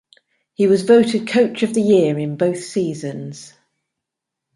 He was voted coach of the year in both seasons.